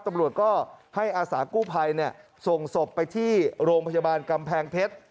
ตำรวจก็ให้อาสาสมัครกู้ภัยเนี่ยส่งศพไปที่โรงพปก๊าแพงเผ็ด